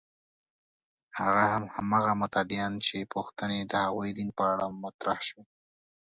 هغه هم هماغه متدینان چې پوښتنې د هغوی دین په اړه مطرح شوې.